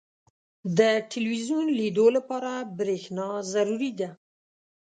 • د ټلویزیون لیدو لپاره برېښنا ضروري ده.